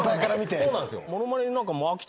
そうなんですよ。